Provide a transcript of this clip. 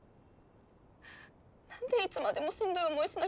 何でいつまでもしんどい思いしな